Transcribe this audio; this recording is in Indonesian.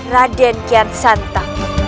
raden kian santa